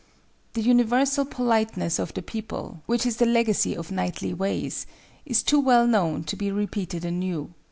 The universal politeness of the people, which is the legacy of knightly ways, is too well known to be repeated anew.